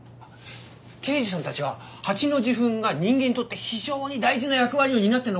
刑事さんたちは蜂の受粉が人間にとって非常に大事な役割を担っているのをご存じですか？